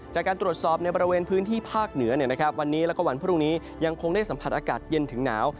จากการตรวจสอบในบริเวณพื้นที่ภาคเหนือวันนี้แล้วก็วันพรุ่งนี้ยังคงได้สัมผัสอากาศเย็นถึงหนาว